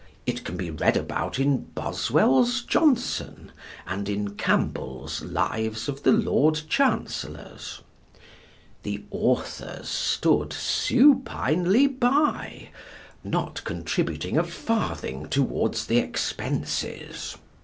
It can be read about in Boswell's Johnson and in Campbell's Lives of the Lord Chancellors. The authors stood supinely by, not contributing a farthing towards the expenses.